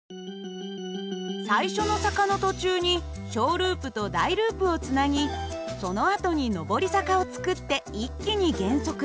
最初の坂の途中に小ループと大ループをつなぎそのあとに上り坂を作って一気に減速。